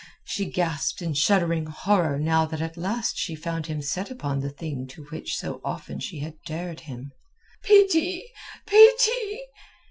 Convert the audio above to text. she gasped in shuddering horror now that at last she found him set upon the thing to which so often she had dared him. "Pity! Pity!"